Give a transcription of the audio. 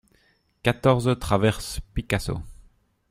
quatorze traverse Picasso